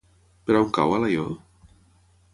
Per on cau Alaior?